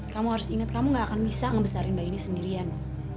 kamu harus inget kamu gak akan bisa ngebesarin bayinya sendirian